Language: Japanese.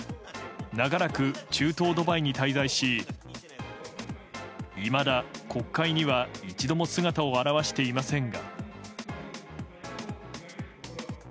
長らく中東ドバイに滞在しいまだ国会には一度も姿を現していませんが。